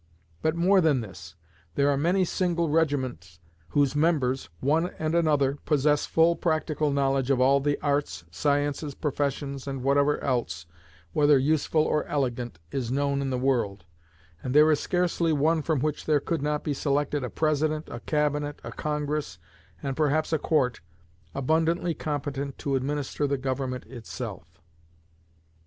But more than this; there are many single regiments whose members, one and another, possess full practical knowledge of all the arts, sciences, professions, and whatever else, whether useful or elegant, is known in the world; and there is scarcely one from which there could not be selected a President, a Cabinet, a Congress, and perhaps a Court, abundantly competent to administer the Government itself."